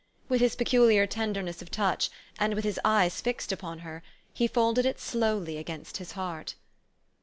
With his peculiar tenderness of touch, and with his eyes fixed upon her, he folded it slowly against his heart.